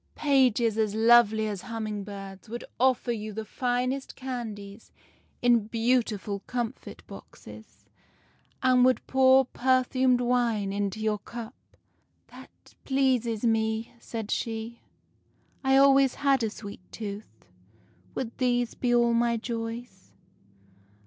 "' Pages as lovely as humming birds would offer you the THE SLEEPING BEAUTY 19 finest candies in beautiful comfit boxes, and would pour per fumed wine into your cup.' "' That pleases me,' said she. ' I always had a sweet tooth. Would these be all my joys?